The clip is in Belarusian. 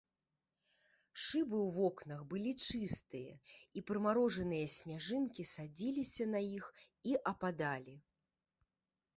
Шыбы ў вокнах былі чыстыя, і прымарожаныя сняжынкі садзіліся на іх і ападалі.